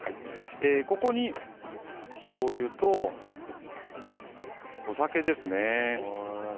ここにしょうゆとお酒ですね。